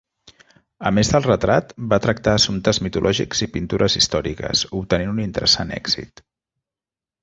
A més del retrat, va tractar assumptes mitològics i pintures històriques, obtenint un interessant èxit.